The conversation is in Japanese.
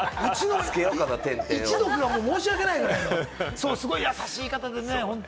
一族が申し訳ないぐらい、すごく優しい方でね。